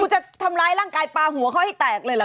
จะทำร้ายร่างกายปลาหัวเขาให้แตกเลยเหรอ